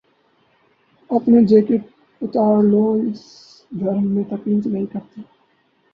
اپنی جیکٹ اتار لو۔ ہم اس گھر میں تکلف نہیں کرتے